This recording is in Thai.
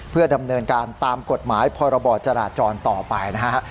เพื่อดำเนินการตามกฎหมายพรบจราจรต่อไปนะฮะ